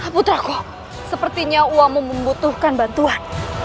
putraku sepertinya uamu membutuhkan bantuan